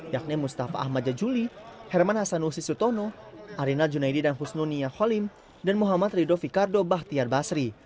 yakni mustafa ahmad jajuli herman hasanusi sutono arina junaidi dan husnu niyaholim dan muhammad ridho fikardo bahtiar basri